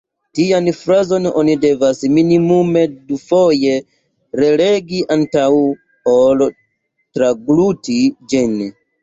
Tian frazon oni devas minimume dufoje relegi antaŭ ol tragluti ĝin.